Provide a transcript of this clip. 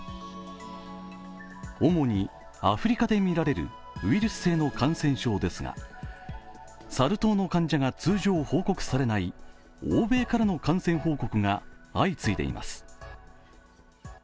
主にアフリカでみられるウイルス性の感染症ですがサル痘の患者が通常報告されない欧米からの感染報告が相次いでいます。